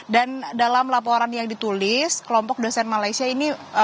dan dalam laporan yang ditulis kelompok dosen malaysia ini